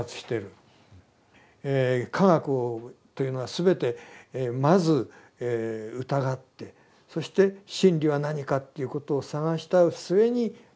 え科学というのは全てまず疑ってそして真理は何かということを探した末に何かができる。